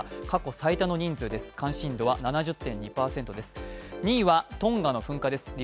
過去最多の人数です、関心度は７０．２％です。